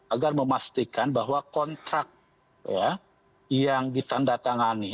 agar memastikan bahwa kontrak yang ditandatangani